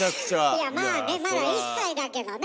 いやまあねまだ１歳だけどね？